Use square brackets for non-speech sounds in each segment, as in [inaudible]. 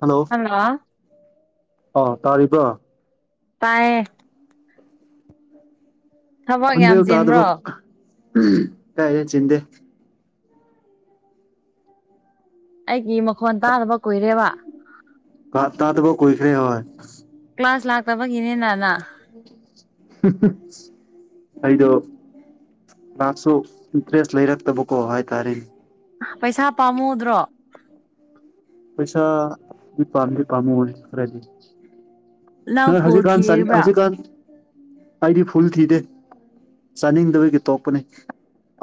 Hello ꯑꯥ ꯇꯥꯔꯤꯕ꯭ꯔꯥ ꯇꯥꯏꯌꯦ ꯊꯕꯛ ꯌꯥꯝ ꯈꯣꯟꯖꯦꯜ ꯇꯗꯕ ꯆꯤꯟꯕ꯭ꯔꯣ ꯀꯥꯏꯗꯩ ꯆꯤꯟꯗꯦ ꯑꯩꯒꯤ ꯃꯈꯣꯟ ꯇꯥꯗꯕ ꯀꯨꯏꯔꯦꯕ ꯀꯥꯠ ꯇꯥꯕꯗꯕ ꯀꯨꯏꯈꯔꯦ ꯍꯣꯏ ꯀ꯭ꯂꯥꯁ ꯂꯥꯛꯇꯕꯒꯤꯅꯦꯅ ꯅꯪ [inaudible] ꯑꯩꯗꯣ ꯀ꯭ꯂꯥꯁ ꯇꯣ ꯏꯟꯇ꯭ꯔꯦꯁ ꯂꯩꯔꯛꯇꯕꯀꯣ ꯍꯥꯏ ꯇꯥꯔꯦ ꯄꯩꯁꯥ ꯄꯥꯝꯃꯨꯗ꯭ꯔꯣ ꯄꯩꯁꯥ ꯗꯤ ꯄꯥꯝꯗꯤ ꯄꯥꯝꯃꯨꯋꯦ ꯈꯔꯗꯤ ꯅꯪ ꯅꯣꯏ ꯐꯨꯜ ꯍꯖꯤꯀꯥꯟ ꯆꯟ ꯊꯤꯔꯤꯕ꯭ꯔꯥ ꯍꯖꯤꯀꯥꯟ ꯑꯩꯗꯤ ꯐꯨꯜ ꯊꯤꯗꯦ ꯆꯥꯅꯤꯡꯗꯕꯒꯤ ꯇꯣꯛꯄꯅꯦ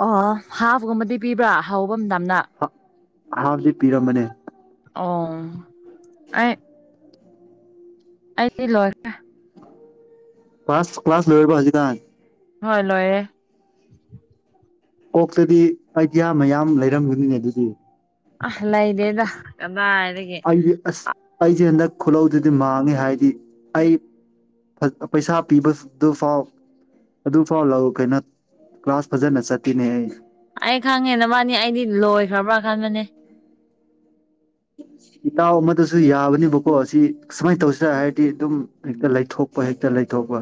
ꯑꯣ ꯑꯣ ꯍꯥꯐꯒꯨꯝꯕꯗꯤ ꯄꯤꯕ꯭ꯔꯥ ꯍꯧꯕ ꯃꯇꯝꯅ ꯍꯥ ꯑꯍꯥꯝꯕꯗꯤ ꯄꯤꯔꯝꯕꯅꯦ ꯑꯣꯝ ꯑꯩ ꯑꯩꯗꯤ ꯂꯣꯏꯈ꯭ꯔꯦ ꯀ꯭ꯂꯥꯁ ꯀ꯭ꯂꯥꯁ ꯂꯣꯏꯔꯕꯣ ꯍꯧꯖꯤꯛꯀꯥꯟ ꯍꯣꯏ ꯂꯣꯏꯔꯦ ꯀꯣꯛꯇꯗꯤ ꯑꯥꯏꯗꯤꯌꯥ ꯃꯌꯥꯝ ꯂꯩꯔꯝꯒꯅꯤꯅꯦ ꯑꯗꯨꯗꯤ ꯑꯥ ꯂꯩꯗꯦꯗ ꯀꯗꯥꯏꯗꯒꯤ ꯑꯩꯗꯤ ꯑꯁ ꯑꯩꯖꯦ ꯍꯟꯗꯛ ꯈꯨꯜꯂꯧꯗꯨꯗꯤ ꯃꯥꯡꯉꯦ ꯍꯥꯏꯗꯤ ꯑꯩ ꯐ ꯄꯩꯁꯥ ꯄꯤꯕ ꯗꯨ ꯐꯥꯎ ꯑꯗꯨ ꯐꯥꯎ ꯂꯧ ꯀꯩꯅꯣ ꯀ꯭ꯂꯥꯁ ꯐꯖꯅ ꯆꯠꯇꯅꯦ ꯑꯩ ꯑꯩ ꯈꯪꯉꯦ ꯅꯕꯥꯅꯤ ꯑꯩꯗꯤ ꯂꯣꯏꯈ꯭ꯔꯕ꯭ꯔꯥ ꯈꯟꯕꯅꯦ ꯏꯇꯥꯎ ꯑꯃꯥꯗꯨꯁꯨ ꯌꯥꯕꯅꯤꯕꯀꯣ ꯑꯁꯤ ꯁꯨꯃꯥꯏꯟ ꯇꯧꯁꯤꯔ ꯍꯥꯏꯔꯗꯤ ꯑꯗꯨꯝ ꯍꯦꯛꯇ ꯂꯩꯊꯣꯛꯄ ꯍꯦꯛꯇ ꯂꯩꯊꯣꯛꯄ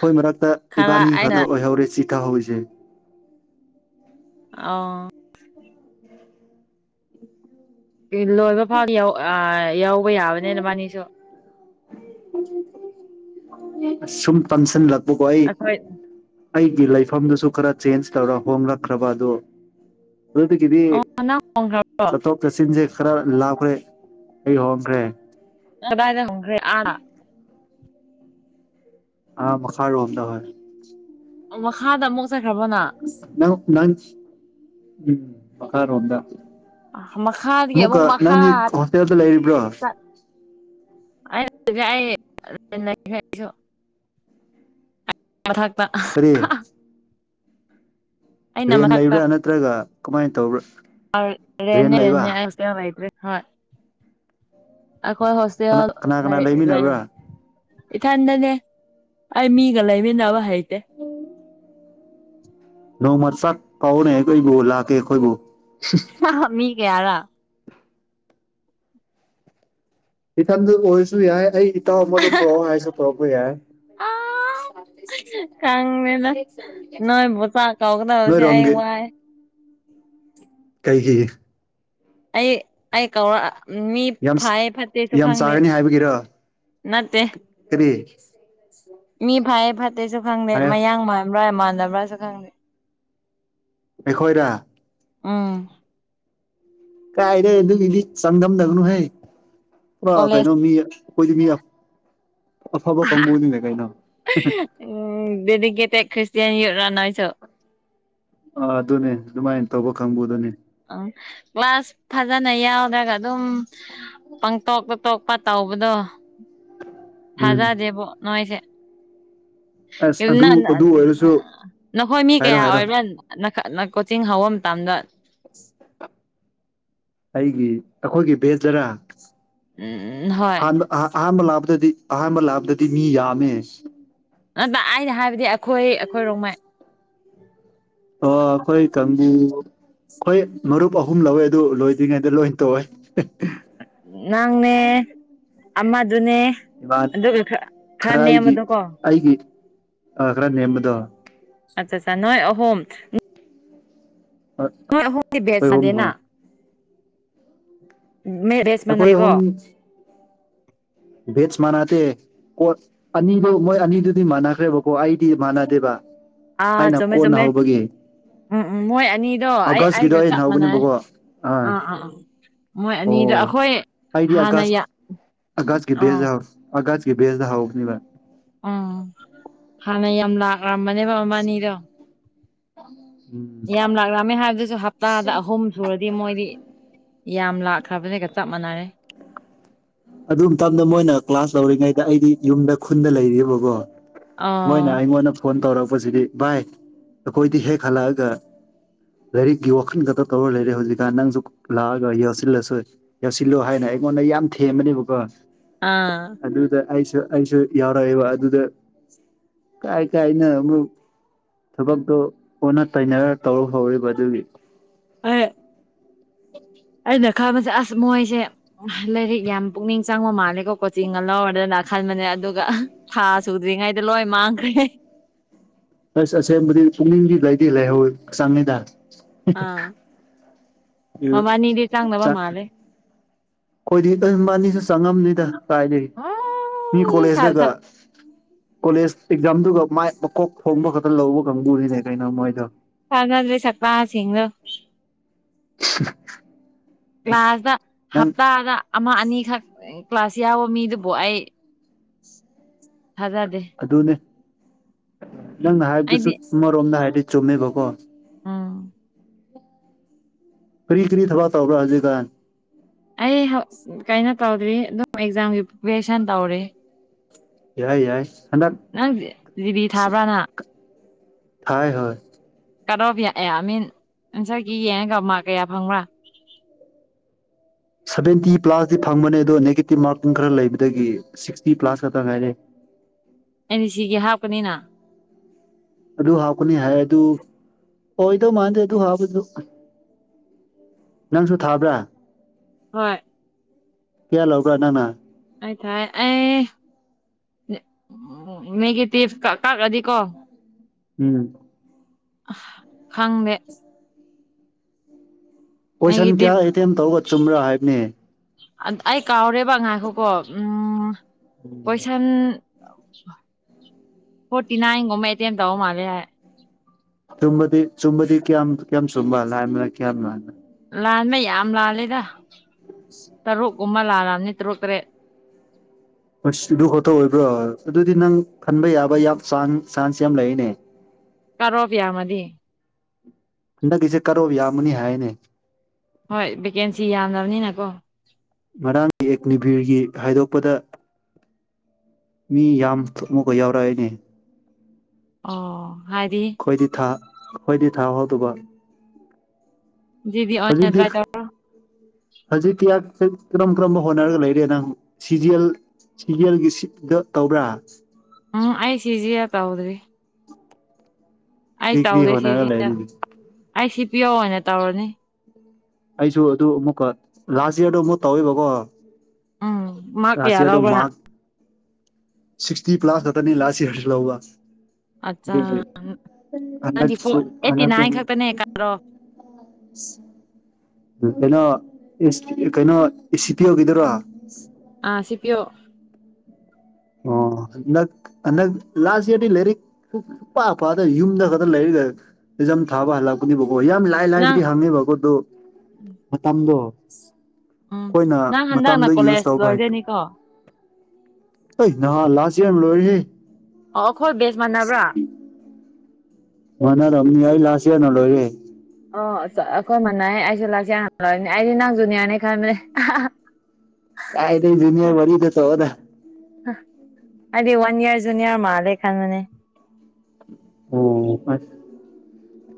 ꯈꯣꯏ ꯃꯔꯛꯇ ꯈꯔ ꯏꯕꯥꯅꯤ ꯑꯩꯅ ꯈꯛꯇ ꯑꯣꯏꯍꯧꯔꯦ ꯆꯤꯊꯥꯍꯧꯔꯤꯁꯦ ꯑꯣ [inaudible] ꯏꯟ ꯂꯣꯏꯕ ꯐꯥꯎ ꯌꯧ ꯑꯥ ꯌꯥꯎꯕ ꯌꯥꯕꯅꯦ ꯅꯕꯥꯅꯤ ꯁꯨꯝ ꯇꯟꯁꯤꯟꯂꯛꯄꯀꯣ ꯑꯩ ꯑꯩꯈꯣꯏ ꯑꯩꯒꯤ ꯂꯩꯐꯝꯗꯨꯁꯨ ꯈꯔ ꯆꯦꯟꯖ ꯇꯧꯔ ꯍꯣꯡꯂꯛꯈ꯭ꯔꯕ ꯑꯗꯣ ꯑꯗꯨꯗꯒꯤꯗꯤ ꯑꯣ ꯅꯪ ꯍꯣꯡꯈ꯭ꯔꯕ꯭ꯔꯣ ꯆꯠꯊꯣꯛ ꯆꯠꯁꯤꯟꯖꯦ ꯈꯔ ꯂꯥꯞꯈ꯭ꯔꯦ ꯑꯩ ꯍꯣꯡꯈ꯭ꯔꯦ ꯀꯗꯥꯏꯗꯥ ꯍꫭꯡꯈ꯭ꯔꯦ ꯑꯥ ꯑꯥ ꯃꯈꯥꯔꯣꯝꯗ ꯍꯣꯏ ꯃꯈꯥꯗ ꯑꯃꯨꯛ ꯆꯠꯈ꯭ꯔꯕꯅ [unintelligible] ꯃꯈꯥꯔꯣꯝꯗ ꯃꯈꯥꯗꯒꯤ ꯑꯃꯨꯛꯀ ꯑꯃꯨꯛ ꯅꯪꯗꯤ ꯃꯈꯥ ꯍꯣꯁꯇꯦꯜꯗ ꯂꯩꯔꯤꯕ꯭ꯔꯣ ꯆꯠ [unintelligible] ꯃꯥꯊꯛꯇ ꯀꯔꯤ ꯑꯩꯅ ꯔꯦꯟ ꯃꯊꯛꯇꯥ ꯂꯩꯕ꯭ꯔꯥ ꯅꯠꯇ꯭ꯔꯒ ꯀꯃꯥꯏꯅ ꯇꯧꯕ꯭ꯔꯥ ꯔꯦꯟ ꯔꯦꯟꯅꯦ ꯂꯩꯕ ꯔꯦꯟꯅꯦ ꯍꫭꯁꯇꯦꯜ ꯂꯩꯇ꯭ꯔꯦ ꯍꯣꯏ ꯑꯩꯈꯣꯏ ꯀꯅꯥ ꯍꯣꯁꯇꯦꯜ ꯀꯅꯥ ꯀꯅꯥ ꯂꯩ ꯂꯩ ꯂꯩꯃꯤꯟꯅꯕ꯭ꯔꯥ ꯏꯊꯟꯗꯅꯦ ꯑꯩ ꯃꯤꯒꯥ ꯂꯩꯃꯤꯟꯅꯕ ꯍꯩꯇꯦ ꯅꯣꯡꯃꯥ ꯆꯥꯛ ꯀꯧꯅꯦ ꯑꯩꯈꯣꯏꯕꯨ ꯂꯥꯛꯀꯦ ꯑꯩꯈꯣꯏꯕꯨ ꯃꯤ ꯀꯌꯥꯔ ꯏꯊꯟꯗ ꯑꯣꯏꯔꯁꯨ ꯌꯥꯏ ꯑꯩ ꯏꯇꯥꯎ ꯑꯃꯥꯗꯣ ꯄꯨꯔꯛꯑꯣ ꯍꯥꯏꯔꯁꯨ ꯄꯨꯔꯛꯄ ꯌꯥꯏ ꯑꯥ ꯈꯪꯗꯦꯗ ꯅꯣꯏꯕꯨ ꯆꯥꯥꯛ ꯀꯧꯒꯗꯧꯕꯁꯦ ꯑꯩ ꯅꯣꯏꯔꯣꯝꯒꯤ ꯋꯥꯏ ꯀꯩꯒꯤ ꯑꯩ ꯑꯩ ꯀꯧꯔ ꯃꯤ ꯌꯥꯝ ꯐꯩ ꯐꯠꯇꯦꯁꯨ ꯌꯥꯝ ꯈꯪꯗꯦ ꯆꯥꯒꯅꯤ ꯍꯥꯏꯕꯒꯤꯔꯣ ꯅꯠꯇꯦ ꯀꯔꯤ ꯃꯤ ꯐꯩꯌꯦ ꯐꯠꯇꯦꯁꯨ ꯈꯪꯗꯦ ꯍꯥꯏꯌꯣ ꯃꯌꯥꯡ ꯃꯥꯟꯕ꯭ꯔꯥ ꯃꯥꯟꯗꯕ꯭ꯔꯥꯁꯨ ꯈꯪꯗꯦ ꯑꯩꯈꯣꯏꯔ ꯎꯝ ꯀꯥꯏꯗꯩ ꯑꯗꯨꯒꯤꯗꯤ ꯆꯥꯡꯗꯝꯅꯒꯅꯨꯍꯦ ꯄꯨꯔꯥ ꯀꯣꯂꯦꯖ ꯀꯩꯅꯣ ꯃꯤ ꯑꯩꯈꯣꯏꯗꯤ ꯃꯤꯅ ꯑꯐꯕ ꯀꯥꯡꯕꯨꯅꯤꯅꯦ ꯀꯩꯅꯣ ꯎꯝ ꯗꯦꯗꯤꯀꯦꯗꯦꯛ ꯈ꯭ꯔꯤꯁꯇꯦꯟ ꯌꯨꯠꯔ ꯅꯣꯏꯁꯨ ꯑꯥ ꯑꯗꯨꯅꯦ ꯑꯗꯨꯃꯥꯏꯟ ꯇꯧꯕ ꯀꯥꯡꯕꯨꯗꯨꯅꯦ ꯑꯝ ꯀ꯭ꯂꯥꯁ ꯐꯖꯅ ꯌꯥꯎꯗ꯭ꯔꯒ ꯑꯗꯨꯝ ꯄꯪꯇꯣꯛꯇ ꯇꯣꯛꯄ ꯇꯧꯕꯗꯣ ꯎꯝ ꯊꯖꯥꯗꯦꯕꯣ ꯅꯣꯏꯁꯦ ꯑꯁ ꯑꯗꯨ ꯀꯦꯕꯤꯟꯅ ꯅꯥ ꯑꯗꯨ ꯑꯣꯏꯔꯁꯨ ꯅꯈꯣꯏ ꯃꯤ ꯍꯥꯏꯔꯣ ꯀꯌꯥ ꯍꯥꯏꯔꯣ ꯑꯣꯏꯕ꯭ꯔ ꯅꯪ ꯀꯣꯆꯤꯡ ꯍꯧꯕ ꯃꯇꯝꯗ ꯑꯩꯒꯤ ꯑꯈꯣꯏꯒꯤ ꯚꯦꯟꯗꯔꯥ ꯎꯝ ꯍꯣꯏ ꯑꯍ ꯥꯟ ꯑꯍꯥꯟꯕ ꯂꯥꯛꯞꯄꯗꯗꯤ ꯑꯍꯥꯟꯕ ꯂꯥꯄꯗꯗꯤ ꯃꯤ ꯌꯥꯝꯃꯦ ꯍꯣꯏꯕ ꯑꯩꯅ ꯍꯥꯏꯕꯗꯤ ꯑꯈꯣꯏ ꯑꯈꯣꯏ ꯔꯣꯡꯃꯩ ꯑꯣ ꯑꯈꯣꯏ ꯀꯥꯡꯕꯨ ꯈꯣꯏ ꯃꯔꯨꯞ ꯑꯍꯨꯝ ꯂꯧꯋꯦ ꯑꯗꯨ ꯂꯣꯏꯗ꯭ꯔꯤꯉꯩꯗ ꯂꯣꯏ ꯇꯣꯛꯌꯦ ꯅꯪꯅꯦ ꯑꯃꯗꯨꯅꯦ ꯑꯗꯨꯒ ꯈꯔ ꯈꯔ ꯑꯩꯒꯤ ꯅꯦꯝꯕꯗꯣꯀꯣ ꯑꯩꯒꯤ ꯑꯥ ꯈꯔ ꯅꯦꯝꯕꯗꯣ ꯑꯠꯆꯥ ꯁꯥ ꯅꯣꯏ ꯑꯍꯨꯝ ꯅꯣꯏ ꯑꯍꯨꯝꯒꯤ ꯕꯦꯁ ꯑꯩꯈꯣꯏ ꯑꯍꯨꯝ ꯁꯥꯗꯦꯅ ꯍꯣꯏ ꯕꯦꯠꯁ ꯑꯩꯈꯣꯏ ꯃꯥꯟꯗꯦꯀꯣ ꯕꯦꯠꯆ ꯃꯥꯅꯗꯦ ꯀꯣꯠ ꯑꯅꯤꯗꯨ ꯃꯣꯏ ꯑꯅꯤꯗꯨꯗꯤ ꯃꯥꯟꯅꯈ꯭ꯔꯦꯕꯀꯣ ꯑꯩꯗꯤ ꯃꯥꯟꯅꯗꯦꯕ ꯑꯥ ꯑꯩꯅ ꯆꯨꯝꯃꯦ ꯀꯣꯟꯅ ꯆꯨꯝꯃꯦ ꯍꯧꯕꯒꯤ ꯎꯝ ꯎꯝ ꯃꯣꯏ ꯑꯅꯤꯗꯣ ꯑꯩ ꯑꯥꯒꯁꯀꯤꯗꯣ ꯑꯩꯒ ꯑꯩꯅ ꯆꯞ ꯃꯥꯟꯅꯩꯌꯦ ꯍꯧꯕꯅꯦꯕꯀꯣ ꯑꯥ ꯑꯥ ꯑꯥ ꯃꯣꯏ ꯑꯣ ꯑꯅꯤꯗꯣ ꯑꯈꯣꯏ ꯍꯥꯟꯅ ꯌꯥ ꯑꯥꯒꯖꯀꯤ ꯑꯥ ꯕꯦꯖꯥꯎꯁ ꯑꯥꯒꯖꯀꯤ ꯕꯦꯖꯥꯎꯗ ꯍꯥꯎꯕꯅꯤꯕ ꯑꯥ ꯍꯥꯟꯅ ꯌꯥꯝ ꯂꯥꯛꯔꯝꯕꯅꯦꯕ ꯃꯕꯥꯟꯅꯤꯗꯣ ꯎꯝ ꯌꯥꯝ ꯂꯥꯛꯂꯝꯃꯦ ꯍꯥꯏꯕꯗꯨꯁꯨ ꯍꯞꯇꯥꯗ ꯑꯍꯨꯝ ꯁꯨꯔꯗꯤ ꯃꯣꯏꯗꯤ ꯌꯥꯝ ꯂꯥꯛꯈ꯭ꯔꯕꯅꯦꯒ ꯆꯞ ꯃꯥꯟꯅꯔꯦ ꯑꯗꯨ ꯃꯇꯝꯗ ꯃꯣꯏꯅ ꯀ꯭ꯂꯥꯁ ꯂꯧꯔꯤꯉꯩꯗ ꯑꯩꯗꯤ ꯌꯨꯝꯗ ꯈꯨꯟꯗ ꯂꯩꯔꯤꯌꯦꯕꯀꯣ ꯃꯣꯏꯅ ꯑꯣ ꯑꯩꯉꯣꯟꯗ ꯐꯣꯟ ꯇꯧꯔꯛꯄꯁꯤꯗꯤ ꯕꯥꯏ ꯑꯩꯈꯣꯏꯗꯤ ꯍꯦꯛ ꯍꯜꯂꯛꯑꯒ ꯂꯥꯏꯔꯤꯛꯀꯤ ꯋꯥꯈꯟ ꯈꯠꯇ ꯇꯧꯔ ꯂꯩꯔꯦ ꯍꯧꯖꯤꯛꯀꯥꯟ ꯅꯪꯖꯨ ꯂꯥꯛꯑꯒ ꯌꯥꯎꯁꯤꯜꯂꯁꯨ ꯌꯥꯎꯁꯤꯜꯂꯣ ꯍꯥꯏꯅ ꯑꯩꯉꯣꯟꯗ ꯌꯥꯝ ꯊꯦꯝꯕꯅꯦꯕꯀꯣ ꯑꯥ ꯑꯗꯨꯗ ꯑꯩꯁꯨ ꯑꯩꯁꯨ ꯌꯥꯎꯔꯛꯑꯦꯕ ꯑꯗꯨꯗ ꯀꯥꯏ ꯀꯥꯏꯅꯣ ꯑꯃꯨꯛ ꯊꯕꯛꯇꯨ ꯑꯣꯟꯅ ꯇꯩꯅꯔ ꯇꯧꯔ ꯍꯧꯔꯤꯕ ꯑꯗꯨꯒꯤ ꯑꯩ ꯑꯩꯅ ꯈꯟꯕꯁꯦ ꯑꯁ ꯃꯣꯏꯖꯦ ꯂꯥꯏꯔꯤꯛ ꯌꯥꯝ ꯄꯨꯛꯅꯤꯡ ꯆꯪꯕ ꯃꯥꯜꯂꯦꯀꯣ ꯀꯣꯆꯤꯡꯒ ꯂꯧꯔꯗꯅ ꯈꯟꯕꯅꯦ ꯑꯗꯨꯒ ꯊꯥ ꯁꯨꯗ꯭ꯔꯤꯉꯩꯗ ꯂꯣꯏ ꯃꯥꯡꯈ꯭ꯔꯦ ꯑꯁ ꯑꯁꯦꯡꯕꯗꯤ ꯄꯨꯛꯅꯤꯡꯗꯤ ꯂꯩꯗꯤ ꯂꯩꯍꯧꯏ ꯍꯛꯆꯥꯡꯅꯤꯗ ꯑꯥ ꯃꯕꯥꯅꯤꯗꯤ ꯆꯪꯗꯕ ꯃꯥꯜꯂꯦ [unintelligible] ꯈꯣꯏꯗꯤ ꯑꯪ ꯃꯕꯥꯅꯤꯁꯨ ꯆꯪꯉꯝꯅꯤꯗ ꯀꯥꯢꯗꯩ ꯃꯤ ꯎꯝ ꯊꯥ ꯀꯣꯂꯦꯖꯗꯒ ꯀꯣꯂꯦꯖ ꯑꯦꯛꯖꯥꯝꯗꯨꯒ ꯃꯥꯏ ꯃꯀꯣꯛ ꯊꯣꯡꯕ ꯈꯛꯇ ꯂꯧꯕ ꯀꯪꯕꯨꯅꯤꯅꯦ ꯀꯩꯅꯣ ꯃꯣꯏꯗꯣ ꯊꯥꯖꯗꯦ ꯁꯛꯇꯥ ꯁꯤꯡꯗꯨ [unintelligible] ꯀ꯭ꯂꯥꯁꯇ ꯅꯪ ꯍꯞꯇꯥꯗ ꯑꯃ ꯑꯅꯤꯈꯛ ꯀ꯭ꯂꯥꯁ ꯌꯥꯎꯕ ꯃꯤꯗꯨꯕꯨ ꯑꯩ ꯊꯥꯖꯗꯦ ꯑꯗꯨꯅꯦ ꯅꯪꯅ ꯍꯥꯏꯕꯗꯨ ꯑꯩꯗꯤ ꯆꯨꯝ ꯑꯃꯔꯣꯝꯗ ꯍꯥꯏꯗꯤ ꯆꯨꯝꯃꯦꯕꯀꯣ ꯎꯝ ꯀꯔꯤ ꯀꯔꯤ ꯊꯕꯛ ꯇꯧꯕ꯭ꯔꯥ ꯍꯧꯖꯤꯛꯀꯥꯟ ꯑꯩ ꯍꯧ ꯀꯩꯅꯣ ꯇꯧꯗ꯭ꯔꯤ ꯑꯗꯨꯝ ꯑꯦꯛꯖꯥꯝꯒꯤ ꯄ꯭ꯔꯤꯄꯦꯔꯦꯁꯟ ꯇꯧꯔꯤ ꯌꯥꯏ ꯌꯥꯏ ꯍꯟꯗꯛ ꯅꯪ ꯖ ꯖꯤꯗꯤ ꯊꯥꯕ꯭ꯔꯥ ꯅꯪ ꯊꯥꯏ ꯍꯣꯏ ꯀꯩꯅꯣꯗꯤ ꯑꯦ ꯑꯥ ꯃꯤꯟ ꯑꯟꯁꯔꯒꯤ ꯌꯦꯡꯉꯒ ꯃꯥꯛ ꯀꯌꯥ ꯐꯪꯕ꯭ꯔꯥ ꯁꯚꯦꯟꯇꯤ ꯄ꯭ꯂꯥꯁꯇꯤ ꯐꯪꯕꯅꯦ ꯑꯗꯣ ꯅꯦꯒꯦꯇꯤꯞ ꯃꯥꯔꯀꯤꯡ ꯈꯔ ꯂꯩꯕꯗꯒꯤ ꯁꯤꯛꯁꯇꯤ ꯄ꯭ꯂꯥꯁ ꯈꯛꯇ ꯉꯥꯏꯔꯦ ꯑꯦꯟꯁꯤꯒꯤ ꯍꯥꯞꯀꯅꯤꯅ ꯑꯗꯨ ꯍꯥꯞꯀꯅꯤ ꯍꯥꯏ ꯑꯗꯨ ꯑꯣꯏꯗꯧ ꯃꯥꯟꯗꯦ ꯑꯗꯨ ꯍꯥꯞꯄꯗꯨ ꯅꯪꯁꯨ ꯊꯥꯕ꯭ꯔꯥ ꯍꯣꯏ ꯀꯤꯌꯥ ꯂꯧꯕ꯭ꯔꯥ ꯅꯪꯅ ꯑꯩ ꯊꯥꯏ ꯑꯦ ꯅꯦ ꯅꯦꯒꯦꯇꯤꯞ ꯀꯛ ꯀꯛꯑꯗꯤꯀꯣ ꯎꯝ ꯈꯪꯗꯦ [inaudible] ꯀꯣꯏꯁꯟ ꯅꯦꯒꯦꯇꯤꯞ ꯀꯌꯥ ꯑꯦꯇꯦꯝ ꯇꯧꯔꯒ ꯆꯨꯝꯕ꯭ꯔꯥ ꯍꯥꯏꯕꯅꯦ ꯑꯩ ꯀꯥꯎꯔꯦꯕ ꯉꯥꯏꯈꯣꯀꯣ ꯎꯝ ꯀꯣꯏꯁꯟ ꯐꯣꯔꯇꯤ ꯅꯥꯏꯟꯒꯨꯝꯕ ꯑꯦꯇꯦꯝ ꯇꯧꯕ ꯃꯥꯜꯂꯦ ꯍꯥꯏ ꯆꯨꯝꯕꯗꯤ ꯆꯨꯝꯕꯗꯤ ꯀꯌꯥꯝ ꯀꯌꯥꯝ ꯆꯨꯝꯕ ꯂꯥꯟꯕꯅ ꯀꯌꯥꯝ ꯂꯥꯟꯕ ꯂꯥꯟꯕ ꯌꯥꯝ ꯂꯥꯜꯂꯦꯗ ꯇꯔꯨꯛꯀꯨꯝꯕ ꯂꯥꯜꯂꯝꯅꯤ ꯇꯔꯨꯛ ꯇꯔꯦꯠ ꯑꯁ ꯑꯗꯨ ꯈꯛꯇ ꯑꯣꯏꯕ꯭ꯔꯥ ꯑꯗꯨꯗꯤ ꯅꯪ ꯈꯟꯕ ꯌꯥꯕ ꯌꯥꯝ ꯆꯥꯡ ꯆꯥꯟꯁ ꯌꯥꯝ ꯂꯩꯌꯦꯅꯦ ꯀꯔꯣꯞ ꯌꯥꯝꯃꯗꯤ ꯍꯟꯗꯛꯀꯤꯁꯦ ꯀꯠꯑꯣꯐ ꯌꯥꯝꯒꯅꯤ ꯍꯥꯏꯌꯦꯅꯦ ꯍꯣꯏ ꯚꯦꯀꯦꯟꯁꯤ ꯌꯥꯝꯗꯝꯅꯤꯅ ꯀꯣ ꯉꯔꯥꯡꯒꯤ ꯑꯦꯛ ꯅꯤꯕꯤꯔꯒꯤ ꯈꯥꯏꯗꯣꯛꯄꯗ ꯃꯤ ꯌꯥꯝ ꯊꯣꯃꯣꯒ ꯌꯥꯎꯔꯛꯑꯦꯅꯦ ꯑꯣ ꯍꯥꯏꯗꯤ ꯈꯣꯏꯗꯤ ꯊꯥ ꯑꯩꯈꯣꯏꯗꯤ ꯊꯥꯍꯧꯗꯕ ꯖꯤꯗꯤ ꯑꯣꯏꯅ ꯍꯧꯖꯤꯛꯇꯤ ꯇ꯭ꯔꯥꯏ ꯈ ꯇꯧ ꯍꯧꯖꯤꯛꯇꯤ ꯌꯥꯝ ꯀꯔꯝ ꯀꯔꯝꯕ ꯍꯣꯠꯅꯔꯒ ꯂꯩꯔꯦ ꯅꯪ ꯁꯤ ꯖꯤ ꯑꯦꯜ ꯁꯤꯖꯤꯑꯦꯜꯒꯤ ꯁꯤꯠꯗꯣ ꯇꯧꯕ꯭ꯔꯥ ꯎꯝ ꯑꯩ ꯁꯤ ꯖꯤ ꯑꯦ ꯇꯧꯗ꯭ꯔꯤ ꯑꯩ ꯀꯔꯤ ꯀꯔꯤ ꯇꯧꯗꯦ ꯁꯤ ꯍꯣꯠꯅꯔꯒ ꯖꯤ ꯑꯦꯜ ꯂꯩꯔꯤꯅꯤ ꯑꯩ ꯁꯤ ꯄꯤ ꯌꯣ ꯑꯣꯏꯅ ꯇꯧꯔꯅꯤ ꯑꯩꯁꯨ ꯑꯗꯨ ꯑꯃꯨꯛꯀ ꯂꯥꯁꯏꯌꯔꯗꯨ ꯑꯃꯨꯛ ꯇꯧꯋꯦꯕꯀꯣ ꯎꯝ ꯃꯥꯔꯛ ꯂꯥꯁ ꯀꯌꯥ ꯏꯌꯔꯗꯣ ꯂꯧꯕ꯭ꯔ ꯃꯥꯛ ꯅꯪ ꯁꯤꯛꯁꯇꯤ ꯄ꯭ꯂꯥꯁ ꯈꯛꯇꯅꯦ ꯂꯥꯁ ꯏꯌꯔꯁꯨ ꯂꯧꯕ ꯑꯠꯆꯥ ꯑꯗꯨꯒꯤ ꯅꯪꯗꯤ ꯍꯟꯗꯛꯁꯨ ꯐꯣꯔ ꯑꯩꯠꯇꯤ ꯍꯟꯗꯛꯁꯨ ꯅꯥꯏꯟ ꯑꯃꯨꯛ [unintelligible] ꯈꯛꯇꯅꯦ ꯀꯠ ꯑꯣꯐ ꯀꯩꯅꯣ ꯑꯦꯁ ꯀꯩꯅꯣ ꯑꯦ ꯁꯤ ꯇꯦꯜꯒꯤꯗꯨꯔ‌ꯣ ꯑꯥ ꯁꯤ ꯄꯤ ꯌꯣ ꯑꯣ ꯍꯟꯗꯛ ꯍꯟꯗꯛ ꯂꯥꯁ ꯏꯌꯔꯗꯤ ꯂꯩꯔꯤꯛ ꯁꯨ ꯁꯨꯛꯄꯥ ꯄꯥꯗ ꯌꯨꯝꯗ ꯈꯛꯇ ꯂꯩꯔꯒ ꯑꯦꯛꯖꯥꯝ ꯊꯥꯕ ꯍꯜꯂꯛꯄꯅꯤꯕꯀꯣ ꯌꯥꯝ ꯂꯥꯏ ꯂꯥꯏ ꯅꯪ ꯂꯥꯏꯕꯗꯤ ꯍꯪꯉꯦꯕꯀꯣ ꯗꯨ ꯃꯇꯝꯗꯣ ꯎꯝ ꯈꯣꯏꯅ ꯅꯪ ꯍꯟꯗꯛꯅ ꯃꯇꯝꯗꯣ ꯌꯨꯁ ꯀꯣꯂꯦꯖ ꯇꯧꯕ ꯍꯩꯇ ꯂꯣꯏꯗꯣꯏꯅꯤꯀꯣ ꯑꯩ ꯅꯍꯥꯟ ꯂꯥꯁ‌ ꯏꯌꯔꯝ ꯂꯣꯏꯔꯦꯍꯦ ꯑꯣ ꯑꯈꯣꯏ ꯕꯦꯁ ꯃꯥꯟꯅꯕ꯭ꯔꯥ ꯃꯥꯅꯔꯝꯅꯤ ꯑꯩ ꯂꯥꯁ ꯏꯌꯔꯅꯥ ꯂꯣꯏꯔꯦ ꯑꯣ ꯑꯁ ꯑꯩꯈꯣꯏ ꯃꯅꯥꯌꯦ ꯑꯩꯁꯨ ꯂꯥꯁ ꯏꯌꯔꯅ ꯂꯣꯏꯕꯅꯦ ꯑꯩꯗꯤ ꯅꯪ ꯖꯨꯅꯤꯌꯥꯔꯅꯦ ꯈꯟꯕꯅꯦ ꯀꯥꯏꯗꯩ ꯖꯨꯅꯤꯌꯔ ꯋꯥꯔꯤꯗꯣ ꯇꯣꯛꯑꯣꯗ ꯍꯥ ꯑꯩꯗꯤ ꯋꯥꯟ ꯏꯌꯔ ꯖꯨꯅꯤꯌꯔ ꯃꯥꯂꯦ ꯈꯟꯕꯅꯦ ꯑꯣ ꯑꯁ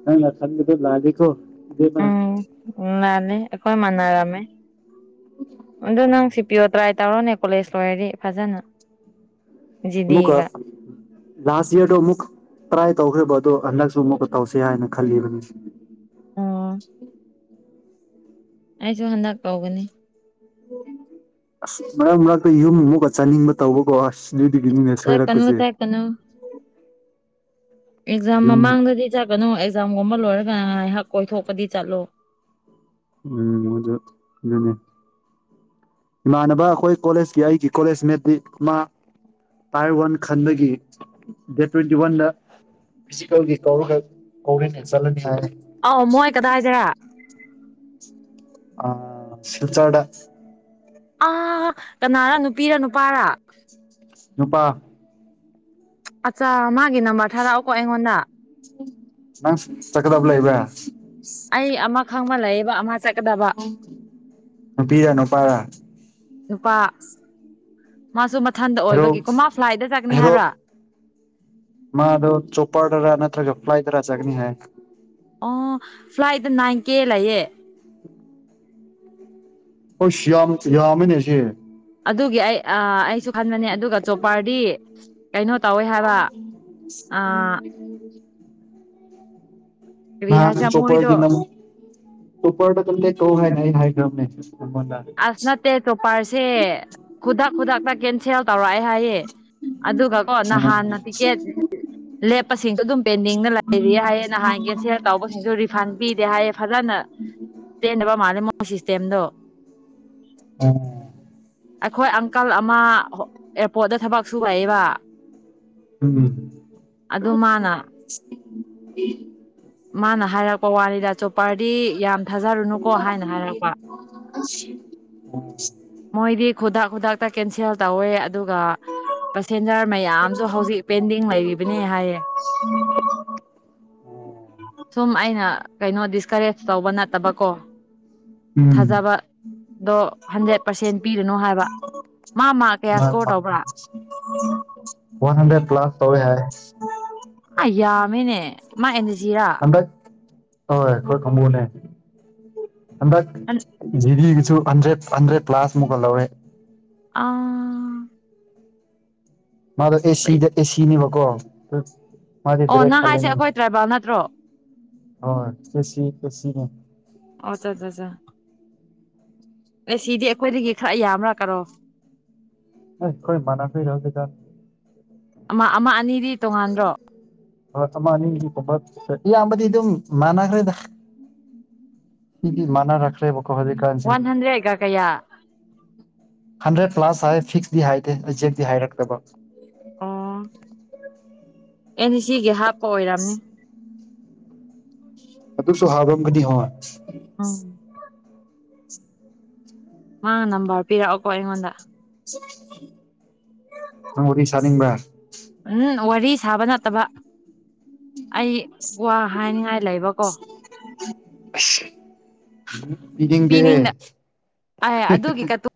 ꯅꯪꯅ ꯈꯟꯕꯗꯨ ꯂꯥꯜꯂꯤ ꯏꯕꯦꯝꯃꯥ ꯎꯝ ꯅꯥꯟꯅ‌ꯦ ꯑꯩꯈꯣꯏ ꯃꯥꯟꯅꯔꯝꯃꯦ ꯑꯗꯨ ꯅꯪ ꯁꯤ ꯄꯤ ꯑꯣ ꯇ꯭ꯔꯥꯏ ꯇꯧꯔꯣꯅꯦ ꯀꯣꯂꯦꯖ ꯂꯣꯏꯔꯗꯤ ꯐꯖꯅ ꯑꯃꯨꯛꯀ ꯖꯤꯗꯤꯒ ꯂꯥꯁ ꯏꯌꯥꯔꯗꯣ ꯑꯃꯨꯛ ꯇ꯭ꯔꯥꯏ ꯇꯧꯈ꯭ꯔꯦꯕ ꯑꯗꯣ ꯍꯟꯗꯛꯁꯨ ꯑꯃꯨꯛꯀ ꯇꯧꯁꯦ ꯍꯥꯏꯅ ꯈꯜꯂꯤꯕꯅꯤ ꯑꯣ ꯑꯩꯁꯨ ꯍꯟꯗꯛ ꯇꯧꯒꯅꯤ ꯑꯁ ꯃꯔꯛ ꯃꯔꯛꯇ ꯌꯨꯝ ꯑꯃꯨꯛꯀ ꯆꯠꯅꯤꯡꯕ ꯇꯧꯕꯀꯣ ꯑꯁ ꯑꯗꯨꯗꯒꯤꯅꯤꯅꯦ ꯆꯠ ꯀꯅꯨ ꯁꯣꯏꯔꯛꯄꯁꯦ ꯆꯠ ꯀꯅꯨ ꯑꯦꯛꯖꯥꯝ ꯌꯨꯝ ꯃꯃꯥꯡꯗꯗꯤ ꯆꯠꯀꯅꯨ ꯑꯦꯛꯖꯥꯝꯒꯨꯝꯕ ꯂꯣꯏꯔꯒ ꯉꯥꯏꯍꯥꯛ ꯀꯣꯏꯊꯣꯛꯄꯗꯤ ꯆꯠꯂꯣ ꯎꯝ ꯃꯗꯨ ꯗꯨꯅ‌ꯦ ꯏꯃꯥꯟꯅꯕ ꯑꯩꯈꯣꯏ ꯀꯣꯂꯦꯖꯀꯤ ꯑꯩꯒꯤ ꯀꯣꯂꯦꯖ ꯃ‌ꯦꯠꯇꯤ ꯃꯥ ꯇꯥꯏꯔ ꯋꯥꯟ ꯈꯟꯕꯒꯤ ꯗꯦꯠ ꯇ꯭ꯋꯦꯟꯇꯤ ꯋꯥꯟꯗ ꯐꯤꯖꯤꯀꯦꯜꯒꯤ ꯀꯧꯔꯒ ꯀꯧꯔ‌ꯦꯅ‌ꯦ ꯆꯠꯂꯅꯤ ꯍꯥꯏ ꯑꯥꯎ ꯃꯣꯏ ꯀꯗꯥꯏꯗꯔꯥ ꯑ ꯁꯤꯜꯆꯔꯗ ꯑ ꯀꯅꯥꯔꯥ ꯅꯨꯄꯤꯔꯥ ꯅꯨꯄꯥꯔꯥ ꯅꯨꯄꯥ ꯑꯠꯆꯥ ꯃꯥꯒꯤ ꯅꯝꯕꯔ ꯊꯥꯔꯛꯑꯣꯀꯣ ꯑꯩꯉꯣꯟꯗ ꯅꯪꯁ ꯆꯠꯀꯗꯕ ꯂꯩꯏꯕꯔꯥ ꯑꯩ ꯑꯃ ꯈꯪꯕ ꯂꯩꯌ‌ꯦꯕ ꯑꯃ ꯆꯠ ꯅꯨꯄꯤꯔꯥ ꯅꯨꯄꯥꯔꯥ ꯅꯨꯄꯥ ꯃꯥꯁꯨ ꯃꯊꯟꯇ ꯍꯦꯔꯣ ꯑꯣꯏꯕꯒꯤꯀꯣ ꯃꯥ ꯐ꯭ꯂꯥꯏꯠꯇ ꯆꯠꯀꯅꯤ ꯍꯦꯔꯣ ꯍꯥꯏꯕ꯭ꯔꯥ ꯃꯥꯗꯣ ꯆꯣꯞꯄꯔꯗꯔꯥ ꯅꯠꯇ꯭ꯔꯒ ꯐ꯭ꯂꯥꯏꯠꯗꯔꯥ ꯆꯠꯀꯅꯤ ꯍꯥꯏ ꯑꯣ ꯐ꯭ꯂꯥꯏꯠꯇ ꯅꯥꯏꯟ ꯀꯦ ꯂꯩꯌꯦ ꯑꯁ ꯌꯥꯝ ꯌꯥꯝꯃꯦꯅꯦꯁꯦ ꯑꯗꯨꯒꯤ ꯑꯩ ꯑ ꯑꯩꯁꯨ ꯈꯟꯕꯅꯦ ꯑꯗꯨꯒ ꯆꯣꯄꯔꯗꯤ ꯀꯩꯅꯣ ꯇꯧꯋꯦ ꯍꯥꯏꯕ ꯑ [inaudible] ꯀꯔꯤ ꯅꯍꯥꯟ ꯍꯥꯏꯁꯤꯔ ꯆꯣꯄꯔꯒꯤ ꯃꯣꯏꯗꯣ ꯅꯝ ꯆꯣꯄꯔꯗ ꯀꯟꯇꯦꯛ ꯇꯧ ꯍꯥꯏꯅ ꯑꯩꯅ ꯍꯥꯏꯈꯔꯕꯅꯦ ꯅꯉꯣꯟꯗ ꯑꯁ ꯅꯠꯇꯦ ꯆꫭꯄꯔꯁꯦ ꯈꯨꯗꯛ ꯈꯨꯗꯛ ꯗ ꯀꯦꯟꯁꯦꯜ ꯇꯧꯔꯛꯑꯦ ꯍꯥꯏꯌꯦ ꯑꯗꯨꯒ ꯀꯣ ꯅꯍꯥꯟꯅ ꯇꯤꯀꯦꯠ ꯂꯦꯞꯄꯁꯤꯡꯗꯣ ꯑꯗꯨꯝ ꯄꯦꯟꯗꯤꯡꯗꯥ ꯂꯩꯔꯤ ꯍꯥꯏꯌꯦ ꯅꯍꯥꯟ ꯀꯦꯟꯁꯦꯜ ꯇꯧꯕꯁꯤꯡꯗꯣ ꯔꯤꯐꯟ ꯄꯤꯗꯦ ꯍꯥꯏꯌꯦ ꯐꯖꯅꯥ ꯄꯦꯟꯗꯕ ꯃꯥꯜꯂꯦ ꯃꯣꯏ ꯁꯤꯁꯇꯦꯝꯗꯣ ꯑꯥ ꯑꯩꯈꯣꯏ ꯑꯪꯀꯜ ꯑꯃ ꯍꫭ ꯑꯦꯌꯥꯔꯄꯣꯔꯠꯇ ꯊꯕꯛ ꯁꯨꯨ ꯂꯩꯌꯦꯕ ꯎꯝ꯫ ꯑꯗꯨ ꯃꯅꯥ ꯃꯅꯥ ꯍꯥꯏꯔꯛꯄ ꯋꯥꯅꯤꯗ ꯆꯣꯄꯔꯗꯤ ꯌꯥꯝ ꯊꯥꯖꯔꯨꯅꯨꯀꯣ ꯍꯥꯏꯅ ꯍꯥꯏꯔꯛꯄ [inaudible] ꯃꯣꯏꯗꯤ ꯈꯨꯗꯛ ꯈꯨꯗꯛꯇ ꯀꯦꯟꯁꯦꯜ ꯇꯧꯋꯦ ꯑꯗꯨꯒ ꯄꯦꯁꯦꯟꯖꯔ ꯃꯌꯥꯝꯁꯨ ꯍꯧꯖꯤꯛ ꯄꯦꯟꯗꯤꯡ ꯂꯩꯔꯤꯕꯅꯦ ꯍꯥꯏꯌꯦ [inaudible] ꯁꯨꯝ ꯑꯩꯅ ꯀꯩꯅꯣ ꯗꯤꯁꯀꯔꯦꯖ ꯇꯧꯕ ꯅꯠꯇꯕꯀꯣ ꯊꯥꯖꯕ ꯑꯗꯣ ꯍꯟꯗ꯭ꯔꯦꯠ ꯄꯥꯔꯁꯦꯟ ꯄꯤꯔꯨꯅꯨ ꯍꯥꯏꯕ ꯃꯥ ꯃꯥꯛ one one one hundred plus ꯇꯧꯔꯦ ꯍꯥꯏ ꯑꯥ ꯌꯥꯝꯃꯤꯅꯦ ꯃꯥ ꯑꯦꯟ ꯁꯤꯔꯥ ꯍꯟꯗꯛ ꯍꯣꯏ ꯑꯩꯈꯣꯏ ꯀꯥꯡꯕꯨꯅꯦ ꯍꯟꯗꯛ ꯖꯤꯔꯤꯒꯤꯁꯨ ꯍꯟꯗ꯭ꯔꯦꯠ ꯍꯟ꯭ꯗ꯭ꯔꯦꯠ ꯀ꯭ꯂꯥꯁ ꯑꯃꯨꯛꯀ ꯂꯧꯋꯦ ꯑꯥ ꯃꯥꯗꯣ ꯑꯦꯁꯤꯗ ꯑꯦꯁꯤꯅꯦꯕꯀꯣ ꯃꯥꯗꯤ ꯑꯣ ꯗꯥꯏꯔꯦꯛ ꯅꯪ ꯍꯥꯏꯁꯦ ꯈꯜꯂꯦꯅꯦ ꯑꯩꯈꯣꯏ ꯇ꯭ꯔꯥꯏꯕꯦꯜ ꯅꯠꯇ꯭ꯔꯣ ꯍꯣꯏ ꯑꯦꯁꯤ ꯑꯦꯁꯤꯅꯦ ꯑꯣꯆꯥꯠꯆꯥꯠꯆꯥ ꯑꯦꯁꯤꯗꯤ ꯑꯩꯈꯣꯏꯗꯒꯤ ꯈꯔ ꯌꯥꯝꯕ꯭ꯔꯥ ꯀꯠꯄ ꯑꫭꯐ ꯍꯦ ꯈꫭꯏ ꯃꯥꯟꯅꯕ ꯌꯧꯗꯦꯗꯥ ꯑꯃ ꯑꯃ ꯑꯅꯤꯗꯤ ꯇꯣꯡꯉꯥꯟꯗ꯭ꯔꯣ ꯍꫭꯏ ꯑꯃ ꯑꯅꯤꯒꯨꯝꯕ ꯍꫭꯏ ꯏꯌꯥꯝꯕꯗꯤ ꯑꯗꯨꯝ ꯃꯥꯟꯅꯈ꯭ꯔꯦꯗ ꯃꯤꯗꯤ ꯃꯥꯟꯅꯔꯛꯈ꯭ꯔꯦꯕꯀꫭ ꯍꯧꯖꯤꯛ ꯀꯥꯟꯁꯦ ꯋꯥꯟ ꯍꯟꯗ꯭ꯔꯦꯗꯀ ꯀꯌꯥ ꯍꯟꯗ꯭ꯔꯦꯠ ꯀ꯭ꯂꯥꯁ ꯍꯥꯏ ꯐꯤꯛꯁꯤꯇꯤ ꯍꯥꯏꯗꯦ ꯑꯦꯖꯦꯛꯇꯤ ꯍꯥꯏꯔꯛꯇꯕ ꯑꯣ ꯑꯦꯟ ꯁꯤ ꯁꯤ ꯒꯤ ꯍꯥꯞꯄ ꯑꯣꯏꯔꯝꯅꯤ ꯑꯗꯨꯁꯨ ꯍꯥꯌꯔꯝꯒꯅꯤ ꯍꯣꯏ ꯎꯝ ꯃꯥ ꯅꯝꯕꯔ ꯄꯤꯔꯛꯑꯣꯀꯣ ꯑꯩꯉꯣꯟꯗ ꯅꯪ ꯋꯥꯔꯤ ꯁꯥꯅꯤꯡꯕ꯭ꯔꯥ ꯎꯝ ꯋꯥꯔꯤ ꯁꯥꯕ ꯅꯠꯇꯕ ꯑꯩ ꯋꯥ ꯍꯥꯏꯅꯤꯡꯉꯥꯏ ꯂꯩꯕꯀꯣ ꯑꯁ ꯄꯤꯗꯤꯡꯗꯦꯍꯦ ꯄꯤꯅꯤꯡꯗ ꯑꯦ ꯑꯗꯨꯒꯤ ꯀꯠ